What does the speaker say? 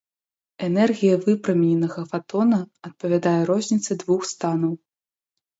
Энергія выпрамененага фатона адпавядае розніцы двух станаў.